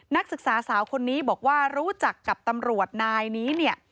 นักศึกษาสาวคนนี้บอกว่ารู้จักกับตำรวจนายนี้เนี่ย